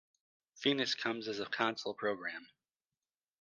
Fenix comes as a console program.